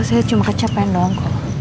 saya cuma kecapean doang